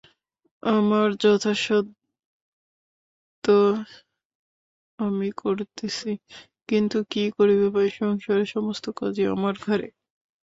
আমার যথাসাধ্য আমি করিতেছি–কিন্তু কী করিব ভাই, সংসারের সমস্ত কাজই আমার ঘাড়ে।